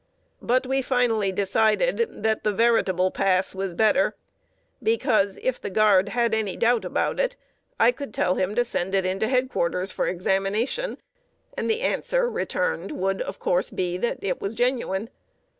But we finally decided that the veritable pass was better, because, if the guard had any doubt about it, I could tell him to send it into head quarters for examination. The answer returned would of course be that it was genuine.